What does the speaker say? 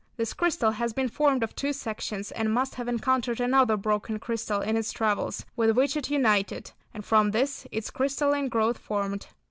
This crystal has been formed of two sections, and must have encountered another broken crystal in its travels, with which it united, and from this its crystalline growth formed.